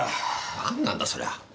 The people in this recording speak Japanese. なんなんだそりゃ。